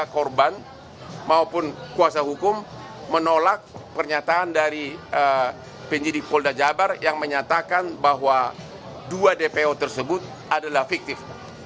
korban maupun kuasa hukum menolak pernyataan dari penyidik polda jabar yang menyatakan bahwa dua dpo tersebut adalah fiktif